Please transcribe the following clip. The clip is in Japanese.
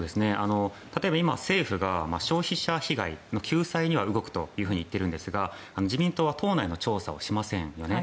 例えば今、政府が消費者被害の救済には動くといっているんですが自民党は党内の調査をしませんよね。